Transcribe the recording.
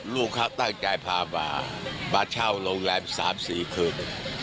ลูกเข้าตั้งใจพามามาเช่าโรงแรมสามสี่คืน